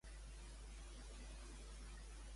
El mot monyica què significa?